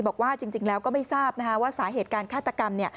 บอกว่าจริงแล้วก็ไม่ทราบนะคะว่าสาเหตุการฆาตกรรมเนี่ย